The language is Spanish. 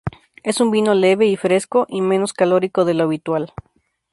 Es un vino leve y fresco, y menos calórico de lo habitual.